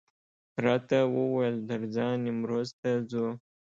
راته وویل درځه نیمروز ته ځو.